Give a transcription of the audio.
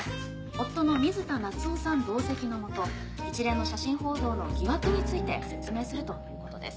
夫の水田夏雄さん同席の下一連の写真報道の疑惑について説明するということです。